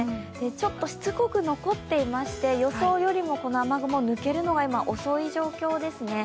ちょっとしつこく残っていまして、予想よりもこの雨雲、抜けるのが今、遅い状況ですね。